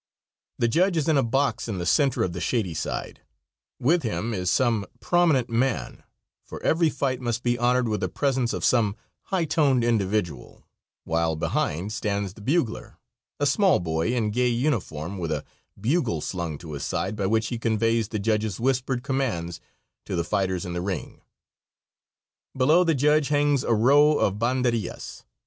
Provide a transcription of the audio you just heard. The judge is in a box in the center of the shady side; with him is some prominent man, for every fight must be honored with the presence of some "high toned" individual, while behind stands the bugler, a small boy in gay uniform, with a bugle slung to his side, by which he conveys the judge's whispered commands to the fighters in the ring. Below the judge hangs a row of banderillas.